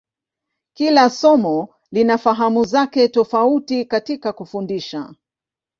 Kila somo lina fahamu zake tofauti katika kufundisha.